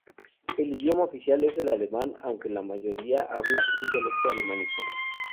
El idioma oficial es el alemán, aunque la mayoría habla un dialecto alemánico.